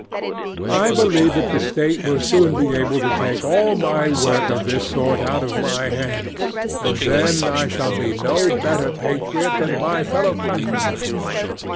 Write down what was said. I believe that the State will soon be able to take all my work of this sort out of my hands, and then I shall be no better patriot than my fellow countrymen.